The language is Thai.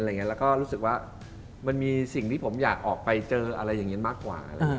แล้วก็รู้สึกว่ามันมีสิ่งที่ผมอยากออกไปเจออะไรอย่างนี้มากกว่า